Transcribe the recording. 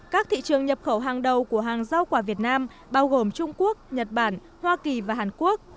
các thị trường nhập khẩu hàng đầu của hàng giao quả việt nam bao gồm trung quốc nhật bản hoa kỳ và hàn quốc